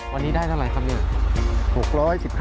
วันนี้ได้เท่าไรครับ